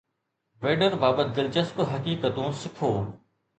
Vader بابت دلچسپ حقيقتون سکو